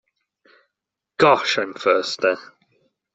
Gosh, I'm thirsty.